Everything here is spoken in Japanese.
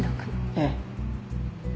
ええ。